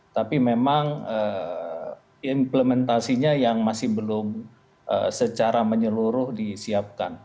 tapi memang implementasinya yang masih belum secara menyeluruh disiapkan